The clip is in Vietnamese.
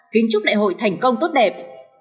kính chúc đại hội thành công tốt đẹp